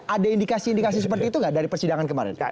ada indikasi indikasi seperti itu nggak dari persidangan kemarin